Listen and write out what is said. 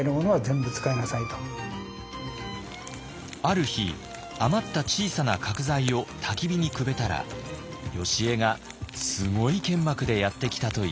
ある日余った小さな角材をたき火にくべたらよしえがすごい剣幕でやって来たといいます。